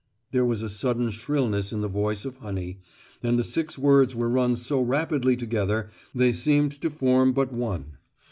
There was a sudden shrillness in the voice of honey, and the six words were run so rapidly together they seemed to form but one.